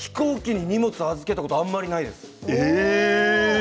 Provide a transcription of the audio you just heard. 飛行機に荷物を預けたことがないです。